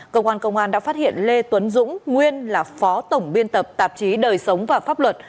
cơ quan công an đã phát hiện lê tuấn dũng nguyên là phó tổng biên tập tạp chí đời sống và pháp luật